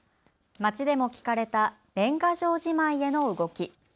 街でも聞かれた年賀状じまいへの動き。